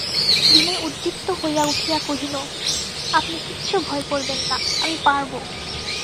বিনয় উদ্দীপ্ত হইয়া উঠিয়া কহিল, আপনি কিচ্ছু ভয় করবেন না– আমি পারব।